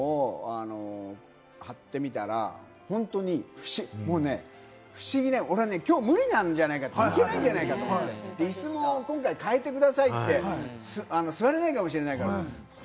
いろんな湿布だとかいろんなのを貼ってみたら、本当に、もうね不思議、俺、きょう無理なんじゃないか、行けないんじゃないかと思って、イスも今回変えてくださいって、座れないかもしれないからって。